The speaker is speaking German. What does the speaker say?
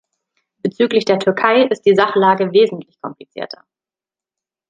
Bezüglich der Türkei ist die Sachlage wesentlich komplizierter.